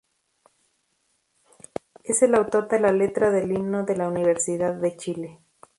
Es el autor de la letra del himno de la Universidad de Chile.